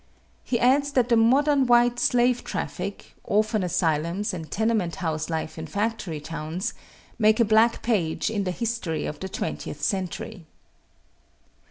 He adds that the modern white slave traffic, orphan asylums, and tenement house life in factory towns, make a black page in the history of the twentieth century.